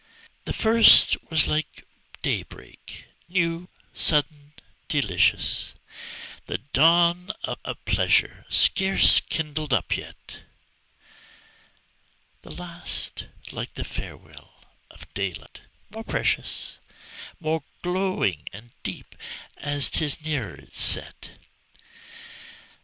The first was like day break, new, sudden, delicious, The dawn of a pleasure scarce kindled up yet; The last like the farewell of daylight, more precious, More glowing and deep, as 'tis nearer its set.